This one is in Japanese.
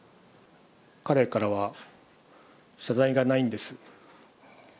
彼からは謝罪がないんです。